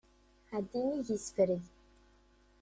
Ɛeddi nnig isefreg.